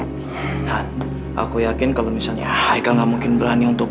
nah aku yakin kalau misalnya haikal gak mungkin berani untuk